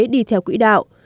đi theo quỹ đạo